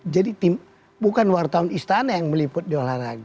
jadi tim bukan wartawan istana yang meliput di olahraga